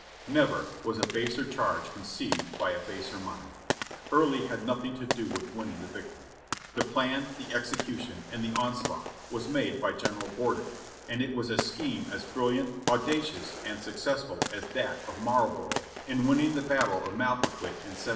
Xever was a baser charge conceived by a baser mind. Early had nothing to do with winning the victory ; the plan, the execu tion, and the onslaught was made by General Gordon, and it was a scheme as brilliant, audacious and successful as that of ]\Iarl borough in winning the battle of Malpaquet in 1709.